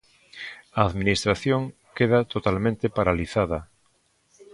A administración queda totalmente paralizada.